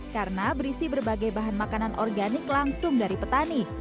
karena berisi berbagai bahan makanan organik langsung dari petani